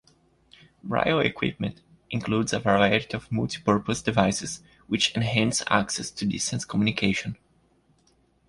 Braille equipment includes a variety of multipurpose devices, which enhance access to distance communication.